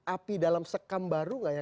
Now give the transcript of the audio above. api dalam sekam baru nggak ya